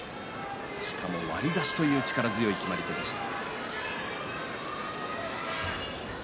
しかも、割り出しという力強い決まり手でした。